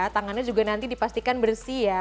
tangannya juga nanti dipastikan bersih ya